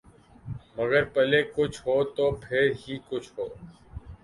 مگر پلے کچھ ہو تو پھر ہی کچھ ہو۔